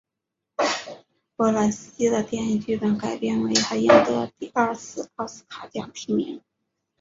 波兰斯基的电影剧本改编为他赢得第二次奥斯卡奖提名。